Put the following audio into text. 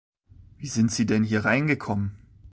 Wie sind Sie denn hereingekommen?